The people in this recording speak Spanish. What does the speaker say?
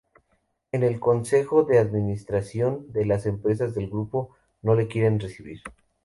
En el consejo de administración de las empresas del grupo no le quieren recibir.